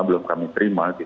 belum kami terima